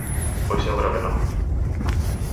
Pois eu creo que non.